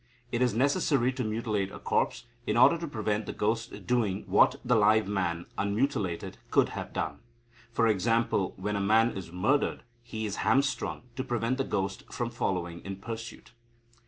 It is necessary to mutilate a corpse, in order to prevent the ghost doing what the live man unmutilated could have done. For example, when a man is murdered, he is hamstrung, to prevent the ghost from following in pursuit."